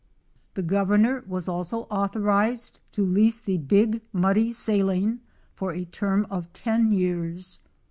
The Gov ernor was also authorized to lease the Big Muddy Saline for a term of ten years.